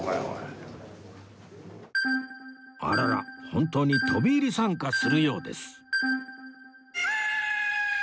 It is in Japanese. あらら本当に飛び入り参加するようです